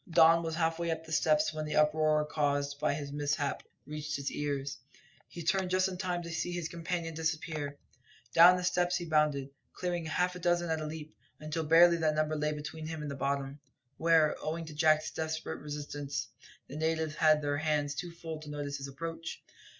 Don was half way up the steps when the uproar caused by this mishap reached his ears. He turned just in time to see his companion disappear. Down the steps he bounded, clearing half a dozen at a leap, until barely that number lay between him and the bottom, where, owing to Jack's desperate resistance, the natives had their hands too full to notice his approach.